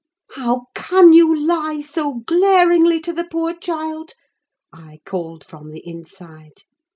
"How can you lie so glaringly to the poor child?" I called from the inside.